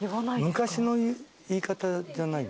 昔の言い方じゃない？